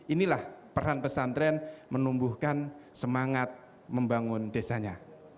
inilah peran pesantren menumbuhkan semangat membangun desanya